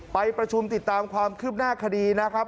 ไปประชุมติดตามความคืบหน้าคดีนะครับ